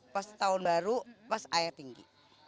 pas tahun baru pas air tinggi